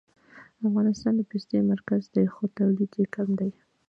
افغانستان د پستې مرکز دی خو تولید یې کم دی